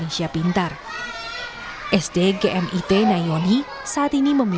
danased ini harus menye ongoingnya untuk fifa arnold mma